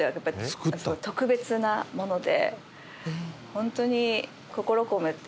ホントに。